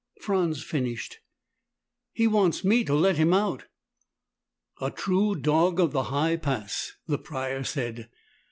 Franz finished, "He wants me to let him out." "A true dog of the high pass," the Prior said.